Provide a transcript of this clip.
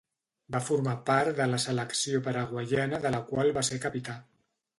Va formar part de la Selecció Paraguaiana de la qual va ser Capità.